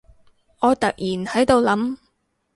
我突然喺度諗